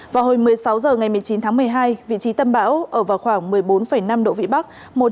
vào hồi một mươi sáu h ngày một mươi chín tháng một mươi hai vị trí tâm bão ở vào khoảng một mươi bốn năm độ vĩ bắc